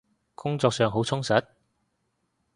工作上好充實？